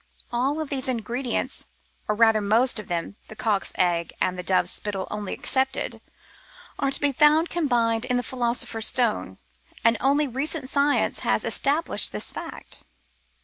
All these ingredients, or rather most of them — the cock's egg and the dove's spittle only excepted — are to be found combined in the Philo sopher's Stone, and only recent science has established this fact.